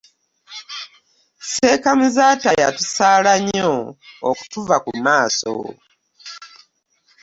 Seeka Muzaata yatusaala nnyo okutuva ku maaso.